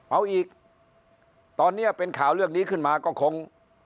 เอาอีกตอนนี้เป็นข่าวเรื่องนี้ขึ้นมาก็คง